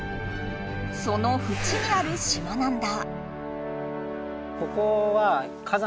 そのふちにある島なんだ。